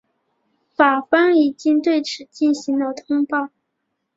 法方已经对此进行了通报。